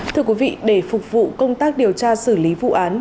thưa quý vị để phục vụ công tác điều tra xử lý vụ án